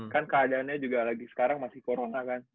kan keadaannya juga lagi sekarang masih corona kan